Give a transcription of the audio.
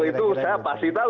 itu saya pasti tahu